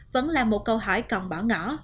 vẫn là một câu hỏi còn bỏ ngỏ